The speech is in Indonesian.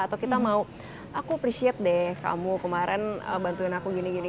atau kita mau aku appreciate deh kamu kemarin bantuin aku gini gini